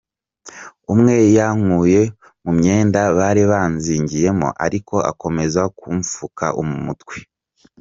Umwe yankuye mu myenda bari banzingiyemo ariko akomeza kumpfuka umutwe.